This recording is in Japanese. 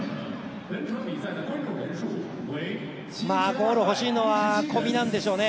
ゴール欲しいのは小見なんですかね。